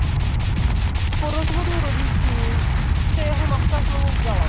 Po rozvodu rodičů se jeho matka znovu vdala.